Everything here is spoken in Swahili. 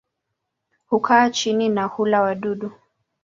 Hukaa chini na hula wadudu.